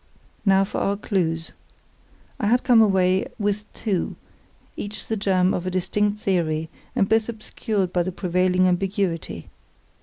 Now for our clues. I had come away with two, each the germ of a distinct theory, and both obscured by the prevailing ambiguity.